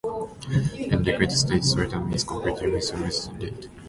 In liquid state, sodium is completely miscible with lead.